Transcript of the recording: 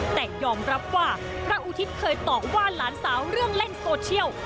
แต่ยอมรับว่าพระอุทิศเคยตอบว่าหลานสาวเรื่องเล่นโซเชียล